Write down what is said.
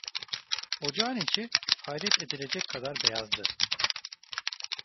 Ocağın içi hayret edilecek kadar beyazdı.